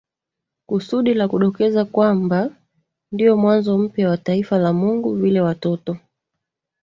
kusudi la kudokeza kwamba ndiyo mwanzo mpya wa taifa la Mungu vile watoto